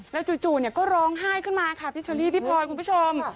แล้วจู่ก็ร้องไห้ขึ้นมาค่ะพี่เชอรี่พี่พลอยคุณผู้ชม